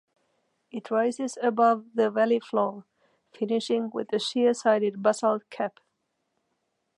It rises above the valley floor, finishing with a sheer-sided basalt cap.